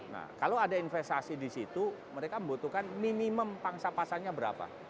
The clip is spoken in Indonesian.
nah kalau ada investasi di situ mereka membutuhkan minimum pangsa pasarnya berapa